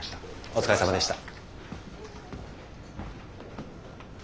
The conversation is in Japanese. お疲れさまでした。